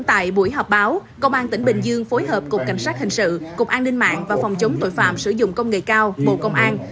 tại buổi họp báo công an tỉnh bình dương phối hợp cục cảnh sát hình sự cục an ninh mạng và phòng chống tội phạm sử dụng công nghệ cao bộ công an